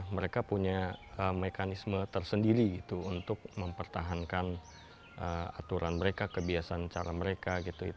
mereka punya mekanisme tersendiri untuk mempertahankan aturan mereka kebiasaan cara mereka